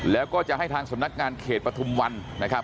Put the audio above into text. แล้วก็จะให้ทางสำนักงานเขตปฐุมวันนะครับ